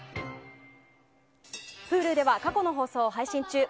Ｈｕｌｕでは過去の放送を配信中。